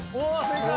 正解！